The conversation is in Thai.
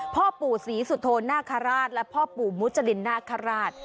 พ่อปู่ศรีสุโธนาคาราชและพ่อปู่มุจรินนาคาราช